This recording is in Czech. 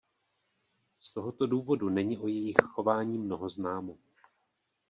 Z tohoto důvodu není o jejich chování mnoho známo.